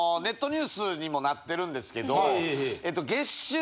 ニュースにもなってるんですけど。